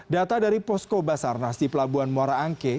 data dari posko basarnas di pelabuhan muara angke